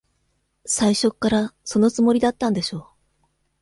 最初っから、そのつもりだったんでしょ。